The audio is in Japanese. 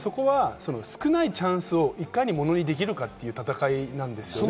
少ないチャンスをいかにものにできるかという戦いなんですよね。